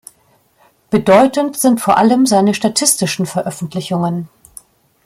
Bedeutend sind vor allem seine statistischen Veröffentlichungen.